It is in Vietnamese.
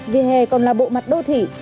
vỉa hè còn là bộ mặt đô thị